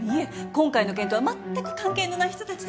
今回の件とはまったく関係のない人たちです。